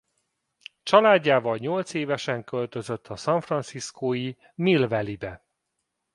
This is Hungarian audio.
Családjával nyolcévesen költözött a San Franciscó-i Mill Valley-be.